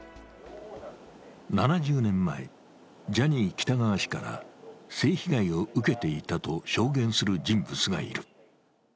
７０年前、ジャニー喜多川氏から性被害を受けていたと証言する人物がいる。